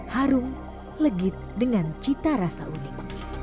harum legit dengan cita rasa unik